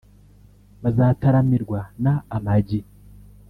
bazataramirwa na Ama-G